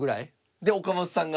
で岡本さんが。